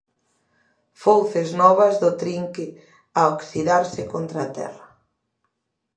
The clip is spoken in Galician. Fouces novas do trinque a oxidarse contra a terra.